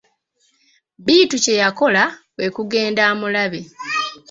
Bittu kye yakola, kwe kugenda amulabe.